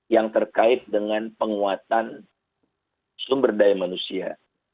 yang terkait dengan penguatan sumber daya manusia